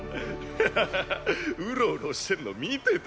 ハハハウロウロしてんの見てた。